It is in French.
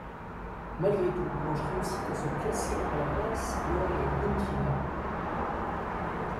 Malgré tout, Blanche réussit à se classer à la place lors la demi-finale.